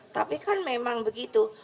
tapi kan memang begitu